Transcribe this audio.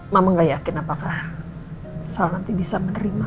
mama gak yakin apakah sal nanti bisa menerima